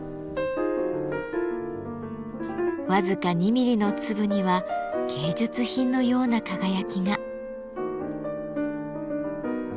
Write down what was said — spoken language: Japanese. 僅か２ミリの粒には芸術品のような輝きが。